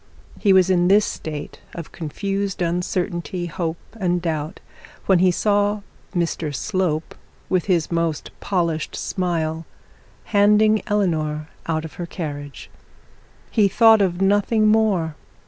He was in this state of confused uncertainty, hope, and doubt, when he saw Mr Slope, with his most polished smile, handing Eleanor out of her carriage. He thought of nothing more.